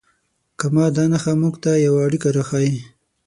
کامه دا نښه موږ ته یوه اړیکه راښیي.